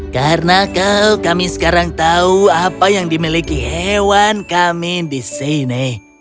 karena kau kami sekarang tahu apa yang dimiliki hewan kami di sini